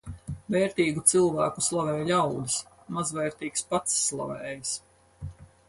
Vērtīgu cilvēku slavē ļaudis, mazvērtīgs pats slavējas.